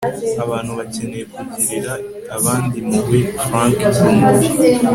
abantu bakeneye kugirira abandi impuhwe. - frank bruno